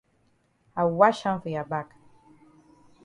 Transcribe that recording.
I wash hand for ya back.